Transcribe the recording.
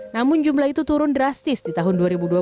namun jumlah itu turun drastis di tahun dua ribu dua puluh